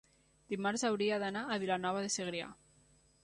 dimarts hauria d'anar a Vilanova de Segrià.